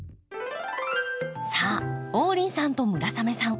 さあ王林さんと村雨さん